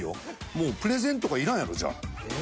もうプレゼンとかいらんやろじゃあ。